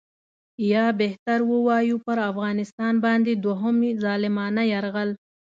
یا بهتر ووایو پر افغانستان باندې دوهم ظالمانه یرغل.